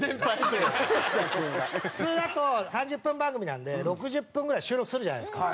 普通だと３０分番組なんで６０分ぐらい収録するじゃないですか。